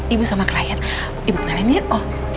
ibu sama klien ibu kenalin yuk